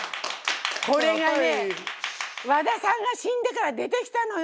これがね和田さんが死んでから出てきたのよ。